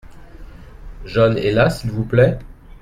John est là s’il vous plait ?